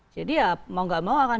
jadi ya mau gak mau akan